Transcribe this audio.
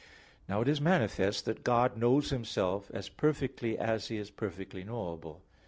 Now it is manifest that God knows Himself as perfectly as He is perfectly knowable.